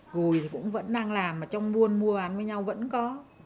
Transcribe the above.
gùi thì cũng vẫn đang làm mà trong buôn mua ăn với nhau vẫn có